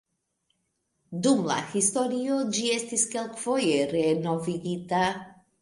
Dum la historio ĝi estis kelkfoje renovigita.